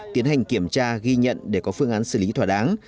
tiến hành kiểm tra ghi nhận để có phương án xử lý thỏa đáng